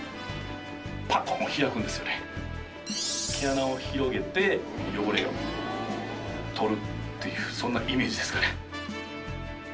毛穴を広げて汚れを取るというそんなイメージですかね